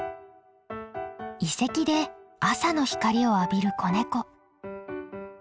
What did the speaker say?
遺跡で朝の光を浴びる子ネコ。